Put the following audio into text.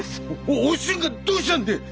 おお俊がどうしたんでぇ！？